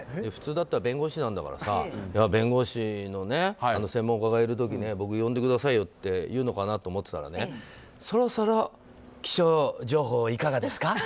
普通だったら弁護士なんだから弁護士の専門家がいる時に僕呼んでくださいよって言うのかなと思ってたらそろそろ、気象情報いかがですか？